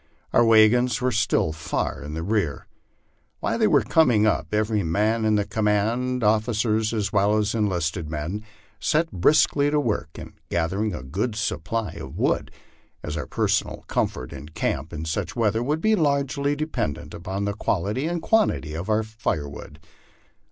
Our wagons were still far in rear. While they were coming up every man in the command, officers as well as enlisted men, set briskly to work in gathering a good supply of wood, as our personal comfort in camp in such weather would be largely dependent on the quality and quantity of our fire wood.